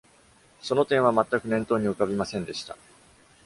その点はまったく念頭に浮かびませんでした。